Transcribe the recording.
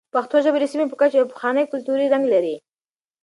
پښتو ژبه د سیمې په کچه یو پخوانی کلتوري رنګ لري.